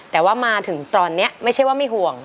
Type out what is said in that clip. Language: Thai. แต่ว่ามาถึงตอนนี้ไม่ใช่ว่าไม่ห่วง